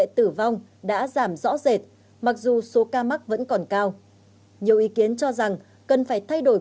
tử vong đã giảm rõ rệt mặc dù số ca mắc vẫn còn cao nhiều ý kiến cho rằng cần phải thay đổi